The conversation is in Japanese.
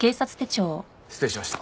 失礼しました。